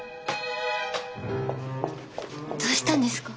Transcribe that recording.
どうしたんですか？